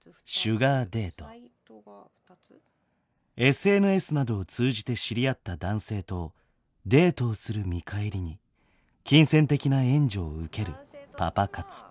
ＳＮＳなどを通じて知り合った男性とデートをする見返りに金銭的な援助を受けるパパ活。